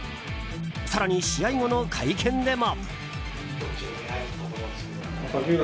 更に試合後の会見でも。